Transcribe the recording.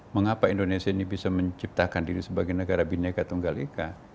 mengapa indonesia ini bisa menciptakan diri sebagai negara bineka tunggal ika